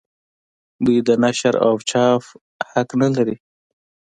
دوی د نشر او چاپ حق نه لري.